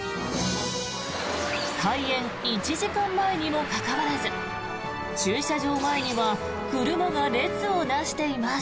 開園１時間前にもかかわらず駐車場前には車が列を成しています。